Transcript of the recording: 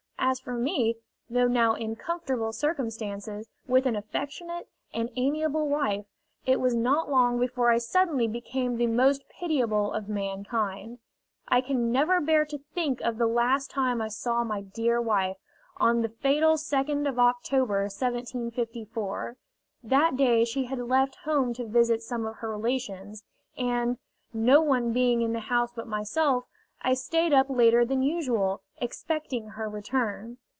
As for me, though now in comfortable circumstances, with an affectionate and amiable wife, it was not long before I suddenly became the most pitiable of mankind. I can never bear to think of the last time I saw my dear wife, on the fatal 2d of October, 1754. That day she had left home to visit some of her relations, and, no one being in the house but myself, I stayed up later than usual, expecting her return.